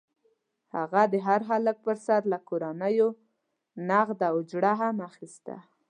هغه د هر هلک پر سر له کورنیو نغده اجوره هم اخیسته.